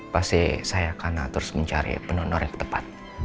pasti saya akan atur mencari penonor yang tepat